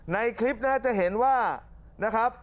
ในคลิปนะจะเห็นว่านะครับ